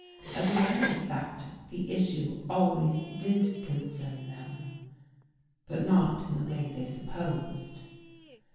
As a matter of fact the issue always did concern them, but not in the way they supposed.